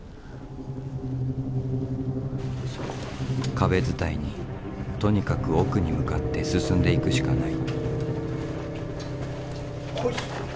壁伝いにとにかく奥に向かって進んでいくしかない。